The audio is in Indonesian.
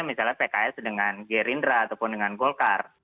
misalnya pks dengan gerindra ataupun dengan golkar